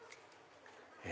え？